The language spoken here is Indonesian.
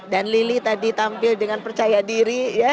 dan lili tadi tampil dengan percaya diri ya